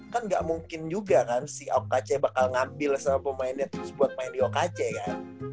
kan gak mungkin juga kan si okc bakal ngambil sama pemainnya terus buat main di okc kan